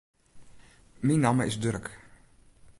Myn namme is Durk.